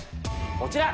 こちら！